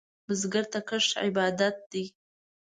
بزګر ته کښت عبادت دی